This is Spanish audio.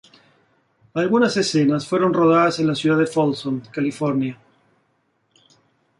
Algunas escenas fueron rodadas en la ciudad de Folsom, California.